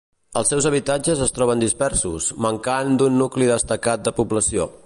Els seus habitatges es troben dispersos, mancant d'un nucli destacat de població.